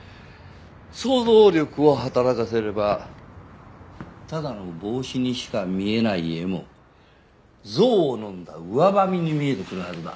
想像力を働かせればただの帽子にしか見えない絵もゾウを飲んだウワバミに見えてくるはずだ。